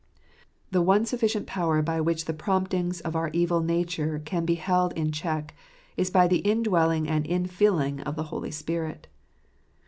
The one sufficient power by which the promptings of our evil nature can be held in check is by the indwelling and infilling of the Holy Spirit.